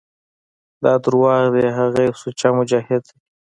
دا دروغ دي هغه يو سوچه مجاهد دى.